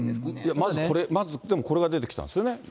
まずこれ、これが出てきたんですよね。